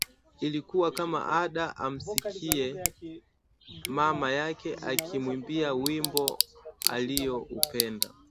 ilikuwa kama ada amsikie mama yake akimwimbia wimbo alioupenda